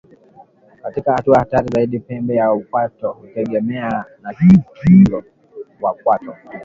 Katika hatua hatari zaidi pembe ya kwato hutengana na ukingo wa kwato